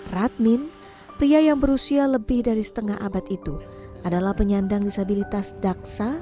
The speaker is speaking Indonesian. radmin pria yang berusia lebih dari setengah abad itu adalah penyandang disabilitas daksa